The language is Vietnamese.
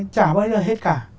chả bao giờ hết cả